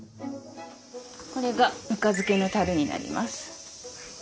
これがぬか漬けのたるになります。